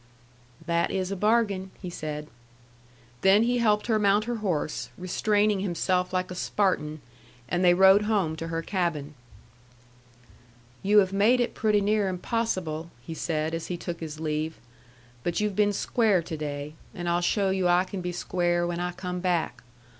"That is a bargain," he said. Then he helped her mount her horse, restraining himself like a Spartan, and they rode home to her cabin. "You have made it pretty near impossible," he said, as he took his leave. "But you've been square to day, and I'll show you I can be square when I come back.